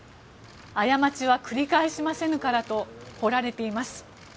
過ちは繰り返しませぬからと彫られています。